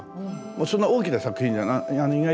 そんな大きな作品じゃない。